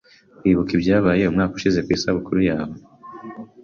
Uribuka ibyabaye umwaka ushize ku isabukuru yawe?